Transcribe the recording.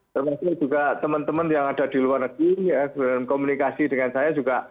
termasuk juga teman teman yang ada di luar negeri komunikasi dengan saya juga